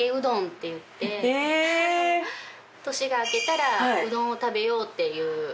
年が明けたらうどんを食べようっていう。